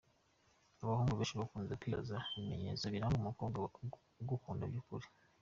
Abahungu benshi bakunze kwibaza ibimenyetso biranga umukobwa ugukunda by’ukuri.